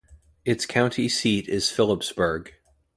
Its county seat is Philipsburg.